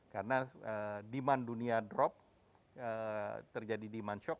karena demand dunia drop terjadi demand shock